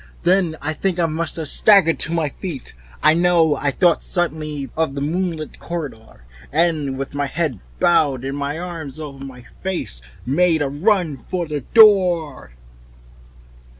Then I think I must have staggered to my feet. I know I thought suddenly of the moonlit corridor, and with my head bowed and my arms over my face, made a stumbling run for the door.